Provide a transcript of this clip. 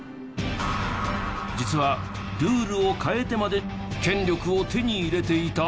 実はルールを変えてまで権力を手に入れていた！？